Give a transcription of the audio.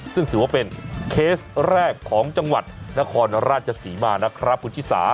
ซึ่งถือว่าเป็นเคสแรกของจังหวัดนครราชศรีมานะครับคุณชิสา